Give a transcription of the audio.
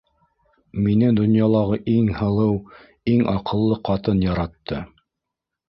Мине донъялағы иң һылыу, иң аҡыллы ҡатын яратты...